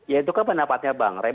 ya itu kan pendapatnya bang rey